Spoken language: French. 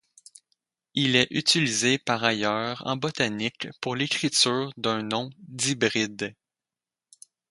Il est utilisé par ailleurs en botanique pour l'écriture d'un nom d'hybride.